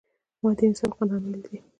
ما ديني سبقان هم ويلي دي.